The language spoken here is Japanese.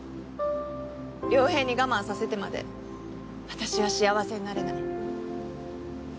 良平に我慢させてまで私は幸せになれない。